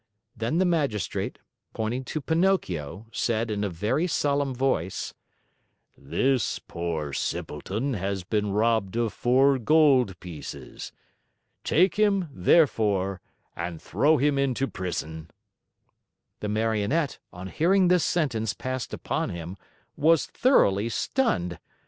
Then the magistrate, pointing to Pinocchio, said in a very solemn voice: "This poor simpleton has been robbed of four gold pieces. Take him, therefore, and throw him into prison." The Marionette, on hearing this sentence passed upon him, was thoroughly stunned.